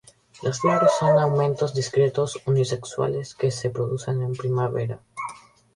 Las flores son amentos discretos unisexuales que se producen en primavera.